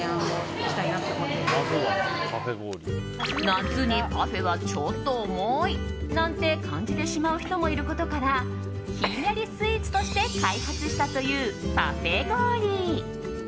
夏にパフェはちょっと重いなんて感じてしまう人もいることからひんやりスイーツとして開発したというパフェ氷。